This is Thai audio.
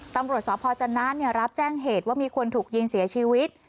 ตำรวจสอบพ่อจันนั้นเนี่ยรับแจ้งเหตุว่ามีคนถูกยิงเสียชีวิต